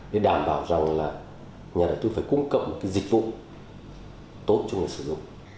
để đảm bảo rằng là nhà đầu tư phải cung cấp một cái dịch vụ tốt cho người sử dụng